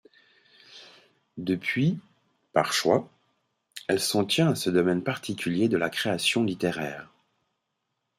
Depuis, par choix, elle s'en tient à ce domaine particulier de la création littéraire.